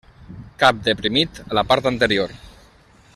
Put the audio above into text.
Cap deprimit a la part anterior.